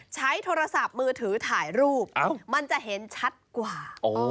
ใช้โทรศัพท์มือถือถ่ายรูปมันจะเห็นชัดกว่า